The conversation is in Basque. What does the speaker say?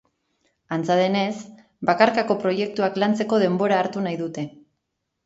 Antza denez, bakarkako proiektuak lantzeko denbora hartu nahi dute.